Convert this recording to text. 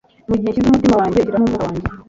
Mugihe nshyize umutima wanjye shyiramo umwuka wanjye